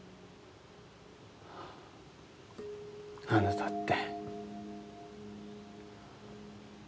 あなたって。